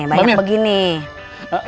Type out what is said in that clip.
banyak begini mbak mbak